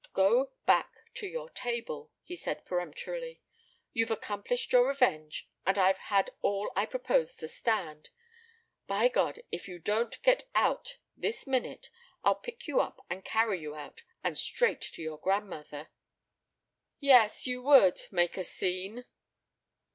"Go back to your table," he said peremptorily. "You've accomplished your revenge and I've had all I propose to stand. ... By God! If you don't get out this minute I'll pick you up and carry you out and straight to your grandmother." "Yes you would make a scene."